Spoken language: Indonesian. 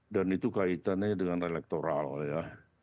dan itu kaitannya dengan elektoral ya